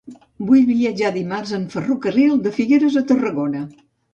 Vull viatjar dimarts en ferrocarril de Figueres a Tarragona.